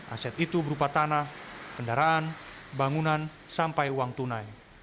aset itu berupa tanah kendaraan bangunan sampai uang tunai